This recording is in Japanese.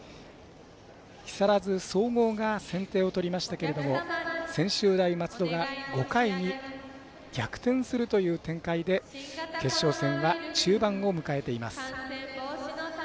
木更津総合が先手を取りましたけれど専修大松戸が５回に逆転するという展開で決勝戦は中盤を迎えています。